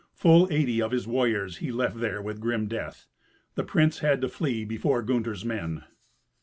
Full eighty of his warriors he left there with grim death; the prince had to flee before Gunther's men.